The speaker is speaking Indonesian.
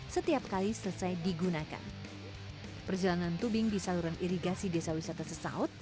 selesai sudah perjalanan saya di desa wisata sesaut